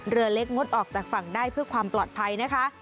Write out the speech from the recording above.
เรือเล็กงดออกจากฝั่งได้เพื่อความปลอดภัยนะคะ